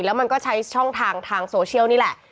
แล้วมันก็ใช้ช่องทางทางโซเชียลนี่แหละ